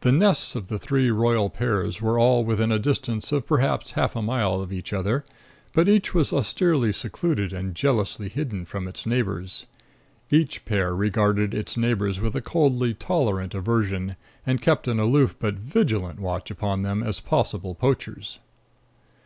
The nests of the three royal pairs were all within a distance of perhaps half a mile of each other, but each was austerely secluded and jealously hidden from its neighbors. Each pair regarded its neighbors with a coldly tolerant aversion, and kept an aloof but vigilant watch upon them as possible poachers.